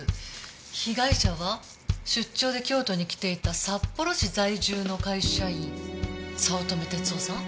被害者は出張で京都に来ていた札幌市在住の会社員早乙女哲夫さん。